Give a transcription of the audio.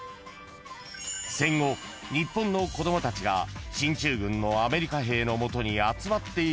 ［戦後日本の子供たちが進駐軍のアメリカ兵の元に集まっている光景］